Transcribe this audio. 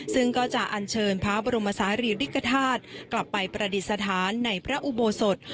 ซึ่งก็จะอันเชิญพระบรมศาลีริกฐาตุกลับไปประดิษฐานในพระอุโบสถ